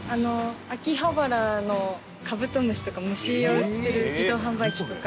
秋葉原のカブトムシとか虫を売ってる自動販売機とか。